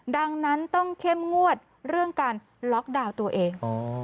ดังนั้นต้องเข้มงวดเรื่องการล็อกดาวน์ตัวเอง